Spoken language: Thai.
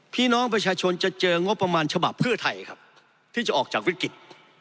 พี่น้องประชาชนจะเจองบประมาณฉบับเพื่อไทยครับที่จะออกจากวิกฤต